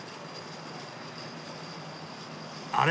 あれ？